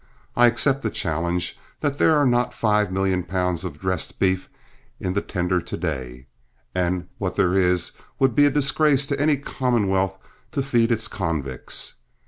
I accept the challenge that there are not five million pounds of dressed beef in their tender to day, and what there is would be a disgrace to any commonwealth to feed its convicts.